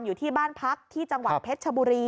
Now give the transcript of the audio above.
อยู่ที่บ้านพักที่จังหวัดเพชรชบุรี